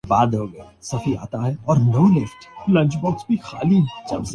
کبھی کبھار ہی خیالی پلاو بناتا ہوں